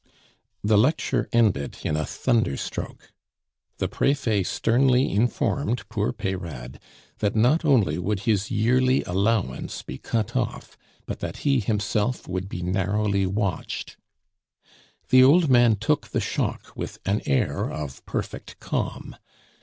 The lecture ended in a thunderstroke. The Prefet sternly informed poor Peyrade that not only would his yearly allowance be cut off, but that he himself would be narrowly watched. The old man took the shock with an air of perfect calm.